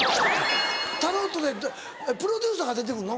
タロットでプロデューサーが出て来んの？